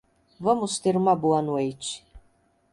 Vamos ter uma boa noite